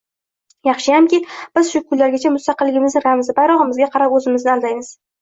Yaxshiyamki, biz shu kungacha mustaqilligimizning ramzi --- bayrog'imizga qarab o'zimizni aldaymiz